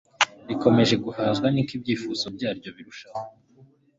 rikomeje guhazwa ni ko ibyifuzo byaryo birushaho